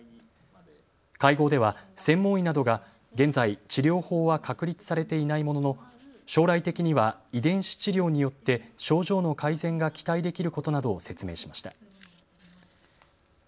会合では専門医などが現在、治療法は確立されていないものの将来的には遺伝子治療によって症状の改善が期待できることなどを説明しました。